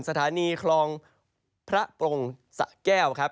สถานีคลองพระปรงศแก้ว